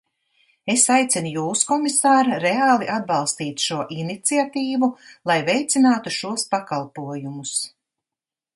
Es aicinu jūs, komisār, reāli atbalstīt šo iniciatīvu, lai veicinātu šos pakalpojumus.